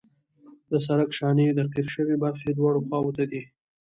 د سرک شانې د قیر شوې برخې دواړو خواو ته دي